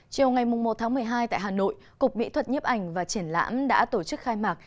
chiều ngày một tháng một mươi hai tại hà nội cục mỹ thuật nhiếp ảnh và triển lãm đã tổ chức khai mạc